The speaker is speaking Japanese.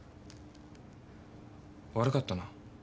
悪かったな。